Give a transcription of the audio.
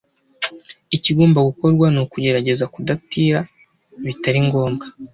Ikigomba gukorwa ni ukugerageza kudatira bitari ngombwa